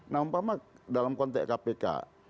nampak dalam konteks kpk